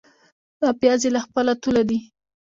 دا پیاز يې له خپله توله دي.